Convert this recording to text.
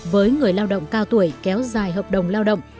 với người lao động cao tuổi kéo dài hợp đồng lao động